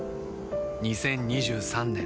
２０２３年